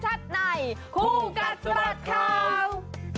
คู่กัดสมัติข่าวคู่กัดสมัติข่าว